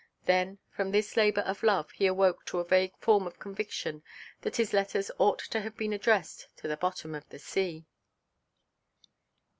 Then from this labour of love he awoke to a vague form of conviction that his letters ought to have been addressed to the bottom of the sea.